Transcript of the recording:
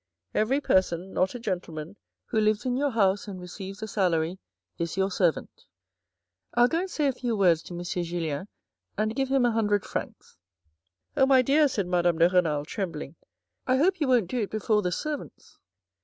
' Every person, not a gentleman, who lives in your house and receives a salary is your servant.' I'll go and say a few words to M. Julien and give him a hundred francs." " Oh, my dear," said Madame De Renal trembling, " I hope you won't do it before the servants